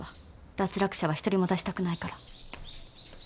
脱落者は一人も出したくないから。